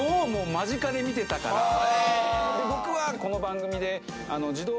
僕はこの番組で。